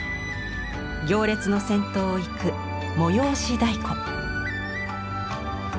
行列の先頭を行く催太鼓。